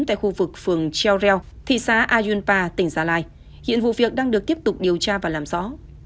tại khu vực phường treo reo thị xã ayunpa tỉnh gia lai hiện vụ việc đang được tiếp tục điều tra và làm rõ